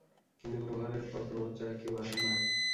কিন্তু প্রহরের পর প্রহর যায়, কেউ আসে না।